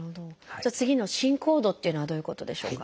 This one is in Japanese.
次の「進行度」っていうのはどういうことでしょうか？